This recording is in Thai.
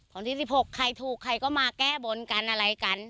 วันที่๑๖ใครถูกใครก็มาแก้บนกันอะไรกัน